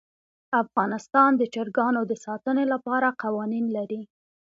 افغانستان د چرګانو د ساتنې لپاره قوانین لري.